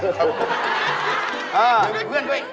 อ้าวเดินด้วย